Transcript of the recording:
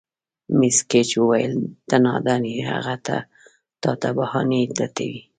مېس ګېج وویل: ته نادان یې، هغه تا ته بهانې لټوي.